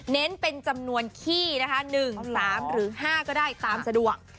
เป็นจำนวนขี้นะคะ๑๓หรือ๕ก็ได้ตามสะดวก